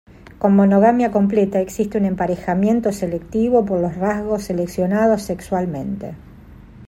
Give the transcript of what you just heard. Con monogamia completa, existe un emparejamiento selectivo por los rasgos seleccionados sexualmente.